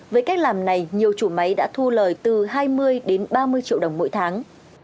với cách làm này nhiều chủ máy đã thu lời từ hai mươi đến ba mươi triệu đồng mỗi tháng